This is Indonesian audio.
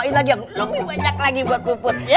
nanti lagi yang lebih banyak lagi buat puput ya